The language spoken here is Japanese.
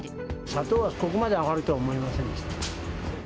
砂糖はここまで上がるとは思いませんでした。